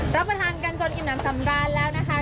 รับประทานกันจนอิ่มน้ำสำราญแล้วนะคะ